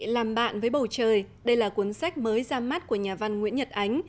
làm bạn với bầu trời đây là cuốn sách mới ra mắt của nhà văn nguyễn nhật ánh